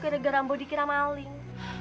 gara gara mbok dikira maling